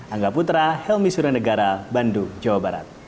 angga putra helmi suranegara bandung jawa barat